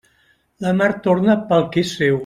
La mar torna pel que és seu.